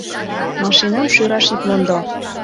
Машинам шӱраш ит мондо.